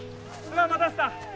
待たせた！